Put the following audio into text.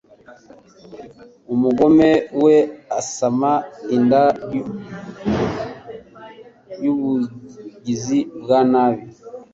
Umugome we asama inda y’ubugizi bwa nabi